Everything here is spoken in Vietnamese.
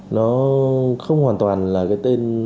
nó không hoàn toàn là cái tên